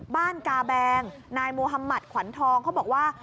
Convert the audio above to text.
บ้านกาแบงนายมหัมมัดขวัญทองเขาบอกว่า